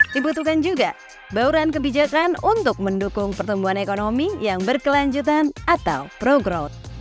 dibutuhkan juga bauran kebijakan untuk mendukung pertumbuhan ekonomi yang berkelanjutan atau pro growth